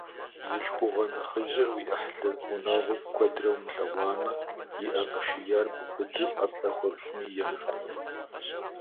Бзылъхугъэ нэхъыжьыр уи ӏыхьлы гъунэгъу куэдрэ умылъэгъуамэ, и ӏэ къишияр бубыду ӏэплӏэ хуэпщӏми емыкӏукъым.